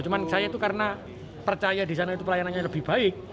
cuma saya itu karena percaya di sana itu pelayanannya lebih baik